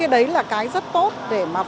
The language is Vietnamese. đấy là cái rất tốt để phòng